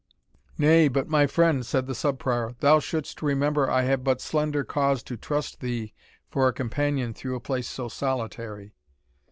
"Nay, but my friend," said the Sub Prior, "thou shouldst remember I have but slender cause to trust thee for a companion through a place so solitary."